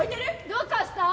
どうかした？